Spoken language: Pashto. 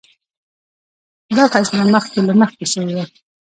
دا فیصله مخکې له مخکې شوې وه.